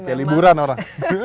jadi kayak liburan orang